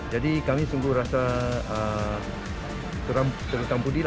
jadi kami sungguh rasa terutam budi